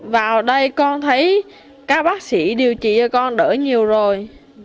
vào đây con thấy các bác sĩ điều trị cho con đỡ nhiều rồi